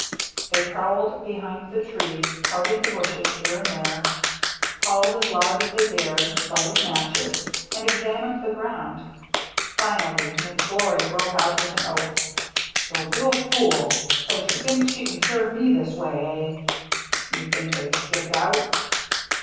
They prowled behind the trees, parted the bushes here and there, called as loud as they dared, lighted matches, and examined the ground. Finally McGlory broke out with VAN DEELEN'S BRIDGE 307 an oath :" The little fool ! So she thinks she can serve me this way, eh ?"" You think they've skipped out